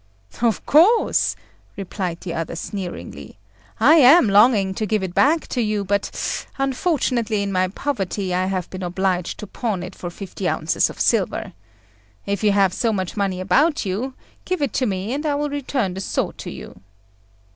"Of course," replied the other, sneeringly, "I am longing to give it back to you; but unfortunately, in my poverty, I have been obliged to pawn it for fifty ounces of silver. If you have so much money about you, give it to me and I will return the sword to you."